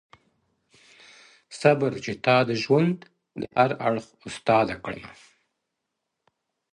صبر چي تا د ژوند. د هر اړخ استاده کړمه.